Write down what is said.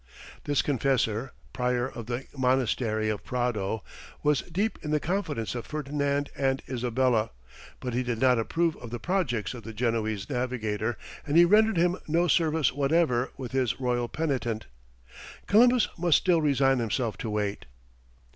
This confessor, prior of the monastery of Prado, was deep in the confidence of Ferdinand and Isabella; but he did not approve of the projects of the Genoese navigator, and he rendered him no service whatever with his royal penitent. Columbus must still resign himself to wait.